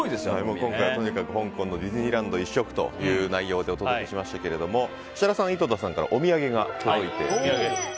今回、香港のディズニーランド一色の内容でお届けしましたけれども設楽さん、井戸田さんからお土産が届いております。